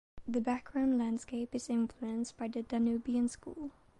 The background landscape is influenced by the Danubian School.